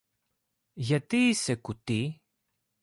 Γιατί είσαι κουτή;